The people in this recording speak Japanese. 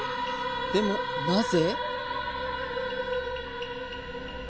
でもなぜ？